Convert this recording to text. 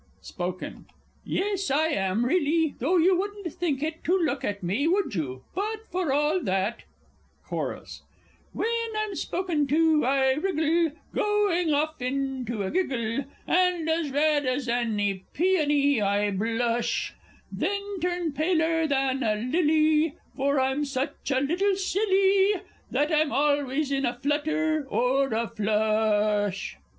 _ Spoken Yes, I am really, though you wouldn't think it to look at me, would you? But, for all that, Chorus When I'm spoken to, I wriggle, Going off into a giggle, And as red as any peony I blush; Then turn paler than a lily, For I'm such a little silly, That I'm always in a flutter or a flush!